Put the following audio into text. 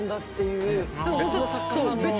別の作家さんの。